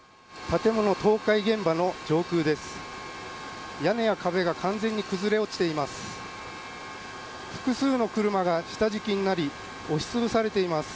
建物倒壊現場の上空です。